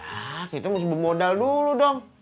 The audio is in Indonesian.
ah kita mesti bermodal dulu dong